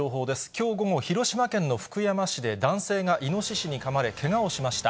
きょう午後、広島県の福山市で男性がイノシシにかまれ、けがをしました。